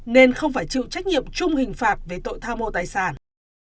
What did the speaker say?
nên không phải chịu trách nhiệm chung hình phạt về tội tham mô tài sản